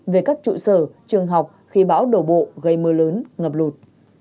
về các trụ sở trường học khi bão đổ bộ gây mưa lớn ngập lụt